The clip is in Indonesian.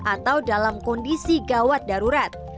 atau dalam kondisi gawat darurat